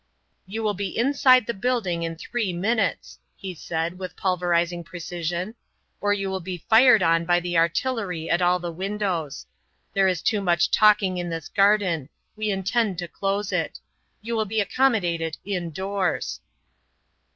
"You will be inside the building in three minutes," he said, with pulverizing precision, "or you will be fired on by the artillery at all the windows. There is too much talking in this garden; we intend to close it. You will be accommodated indoors."